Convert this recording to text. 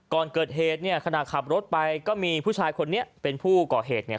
ก่อนเกิดเหตุเนี่ยขณะขับรถไปก็มีผู้ชายคนนี้เป็นผู้ก่อเหตุเนี่ย